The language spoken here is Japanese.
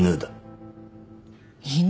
犬？